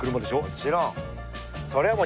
もちろん。